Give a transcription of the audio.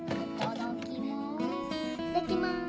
いただきます。